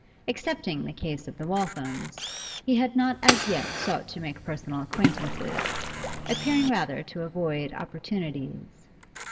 Excepting the case of the Walthams, he had not as yet sought to make personal acquaintances, appearing rather to avoid opportunities.